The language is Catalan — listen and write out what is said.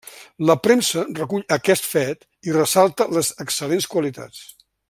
La premsa recull aquest fet i ressalta les excel·lents qualitats.